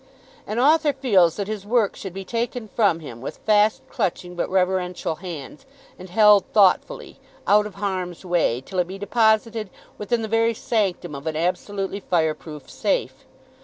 An author feels that his work should be taken from him with fast clutching but reverential hands, and held thoughtfully, out of harm's way, till it be deposited within the very sanctum of an absolutely fireproof safe.